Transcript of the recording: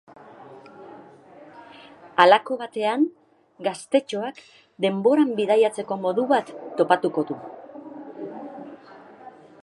Halako batean, gaztetxoak denboran bidaiatzeko modu bat topatuko du.